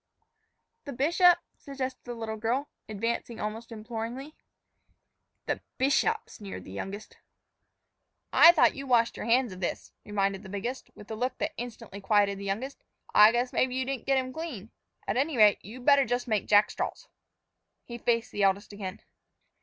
"The bishop," suggested the little girl, advancing almost imploringly. "The bishop!" sneered the youngest. "I thought you washed your hands of this," reminded the biggest, with a look that instantly quieted the youngest; "I guess maybe you didn't get 'em clean. At any rate, you'd better jus' make jackstraws." He faced the eldest again.